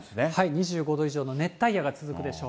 ２５度以上の熱帯夜が続くでしょう。